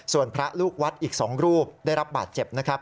ส่วนพระลูกวัดอีก๒รูปได้รับบาดเจ็บนะครับ